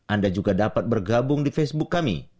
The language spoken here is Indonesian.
anda juga dapat bergabung di facebook kami